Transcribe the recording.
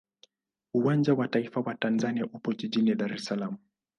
Uwanja wa taifa wa Tanzania upo jijini Dar es Salaam.